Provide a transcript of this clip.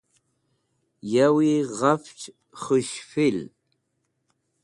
yowi ghafch khus̃hfil